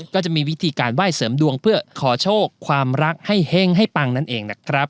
ก็จะมีวิธีการไหว้เสริมดวงเพื่อขอโชคความรักให้เฮ่งให้ปังนั่นเองนะครับ